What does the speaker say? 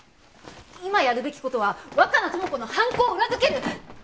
今やるべき事は若名友子の犯行を裏づける！